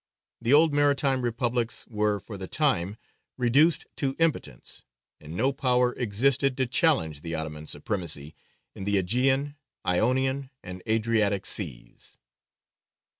The old maritime Republics were for the time reduced to impotence, and no power existed to challenge the Ottoman supremacy in the Aegean, Ionian, and Adriatic Seas.